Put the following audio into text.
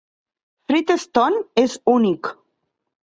Fred Stone és únic.